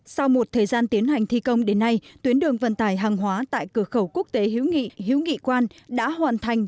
sau một thời gian tiến hành thi công đến nay tuyến đường vận tải hàng hóa tại cửa khẩu quốc tế hữu nghị hiếu nghị quan đã hoàn thành